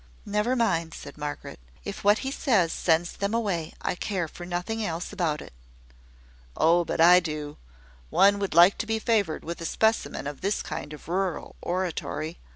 "Never mind," said Margaret. "If what he says sends them away, I care for nothing else about it." "Oh, but I do. One would like to be favoured with a specimen of this kind of rural oratory.